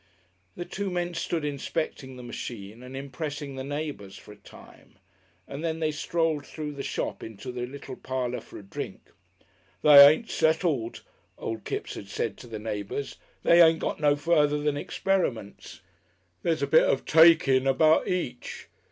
The two men stood inspecting the machine and impressing the neighbours for a time, and then they strolled through the shop into the little parlour for a drink. "They ain't settled," old Kipps had said to the neighbours. "They ain't got no further than experiments. There's a bit of take in about each.